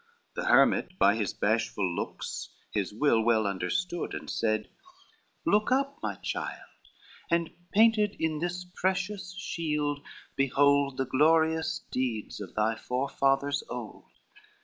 The hermit by his bashful looks his will Well understood, and said, "Look up, my child, And painted in this precious shield behold The glorious deeds of thy forefathers old.